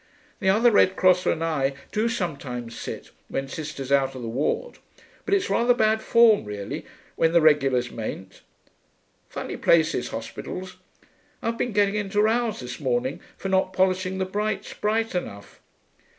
The other Red Crosser and I do sometimes sit, when Sister's out of the ward, but it's rather bad form really, when the regulars mayn't. Funny places, hospitals.... I've been getting into rows this morning for not polishing the brights bright enough.